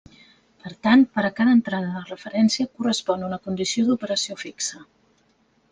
Per tant, per a cada entrada de referència correspon una condició d'operació fixa.